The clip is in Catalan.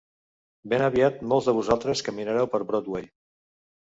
Ben aviat molts de vosaltres caminareu per Broadway.